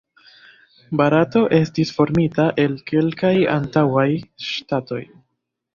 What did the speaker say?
Barato estis formita el kelkaj antaŭaj ŝtatoj.